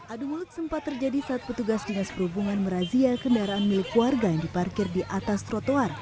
adu mulut sempat terjadi saat petugas dinas perhubungan merazia kendaraan milik warga yang diparkir di atas trotoar